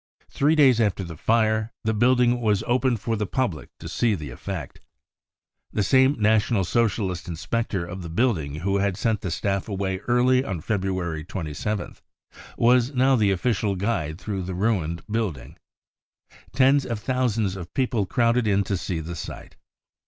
Three days after the fire the building was opened for the public to see the effect. The same National Socialist inspector of the building who had sent the staff away early on February 27th was now the official guide through the ruined building. Tens of thousands of people crowded in to see the sight.